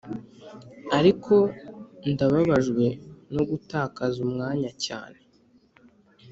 ariko ndababajwe no gutakaza umwanya cyane